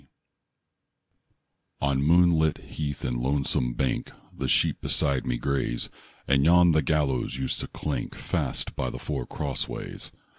IX On moonlit heath and lonesome bank The sheep beside me graze; And yon the gallows used to clank Fast by the four cross ways.